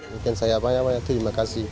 mungkin saya banyak banyak terima kasih